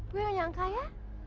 gue yang nyangka ya